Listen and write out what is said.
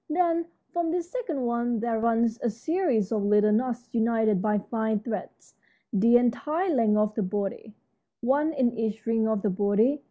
Then, from this second one there runs a series of little knots united by fine threads the entire length of the body, one in each ring of the body.